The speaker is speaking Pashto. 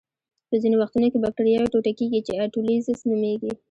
په ځینو وختونو کې بکټریاوې ټوټه کیږي چې اټولیزس نومېږي.